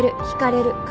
ひかれる」